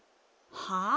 はあ？